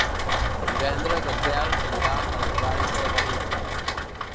Divendres en Quel anirà a les Valls de Valira.